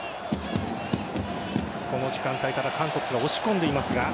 この時間帯から韓国は押し込んでいますが。